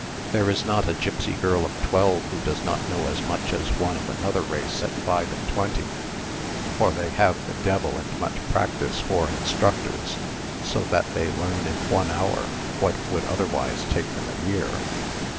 There is not a gipsy girl of twelve who does not know as much as one of another race at five and twenty, for they have the devil and much practice for instructors, so that they learn in one hour what would otherwise take them a year."